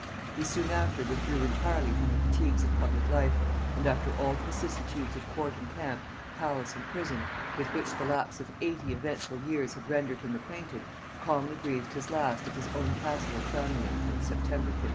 He soon after withdrew entirely from the fatigues of public life, and after all the vicissitudes of court and camp, palace and prison, with which the lapse of eighty eventful years had rendered him acquainted, calmly breathed his last at his own castle of Framlingham in September 1554.